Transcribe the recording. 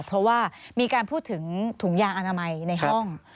เพราะว่ามีการพูดถึงถุงยางอนามัยในห้อง